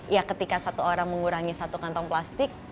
ya ketika satu orang mengurangi satu kantong plastik